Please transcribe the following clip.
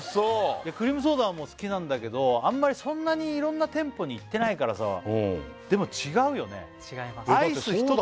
クリームソーダはもう好きなんだけどあんまりそんなにいろんな店舗に行ってないからさでも違います